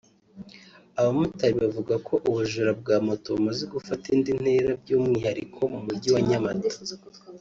Abamotari bavuga ko ubujura bwa Moto bumaze gufata indi ntera by’umwihariko mu mujyi wa Nyamata